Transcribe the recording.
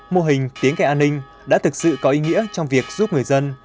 mô hình tiếng cảnh an ninh đã thực sự có ý nghĩa trong việc giúp người dân